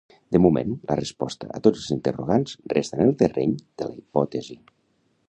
De moment, la resposta a tots els interrogants resta en el terreny de la hipòtesi.